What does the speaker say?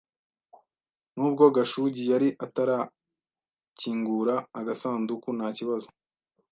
Nubwo Gashugi yari atarakingura agasanduku ntakibazo,